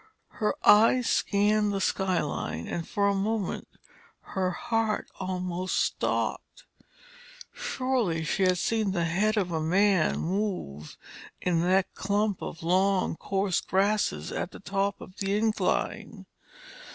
Her eyes scanned the skyline, and for a moment her heart almost stopped. Surely she had seen the head of a man move in that clump of long, coarse grasses at the top of the incline!